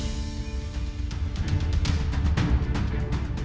terima kasih pak bahlil